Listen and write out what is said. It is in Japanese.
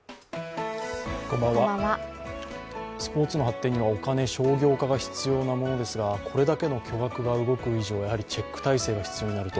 スポーツの発展には、お金、商業化が必要なものですがこれだけの巨額が動く以上、チェック体制が必要になると。